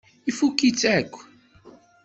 Ifukk-itt akk.